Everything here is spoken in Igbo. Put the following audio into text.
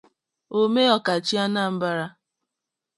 Omeokachie Anambra